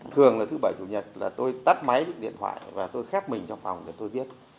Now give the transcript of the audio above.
thường là thứ bảy chủ nhật là tôi tắt máy điện thoại và tôi khép mình trong phòng để tôi viết